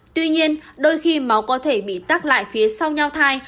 tuy nhiên đôi khi máu có thể bị tác lại phía sau nhau thai